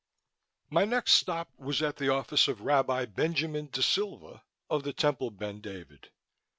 My next stop was at the office of Rabbi Benjamin Da Silva of the Temple Ben David.